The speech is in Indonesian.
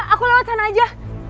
aku lewat sana aja